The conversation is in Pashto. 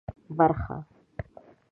برخه